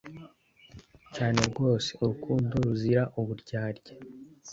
Cyane rwose urukundo ruzira uburyarya